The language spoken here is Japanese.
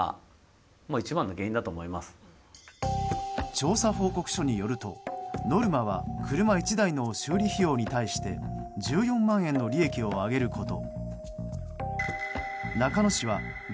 調査報告書によるとノルマは車１台の修理費用に対して１４万円の利益を上げること。